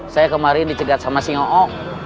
saya kemarin dicegat sama si ngok ong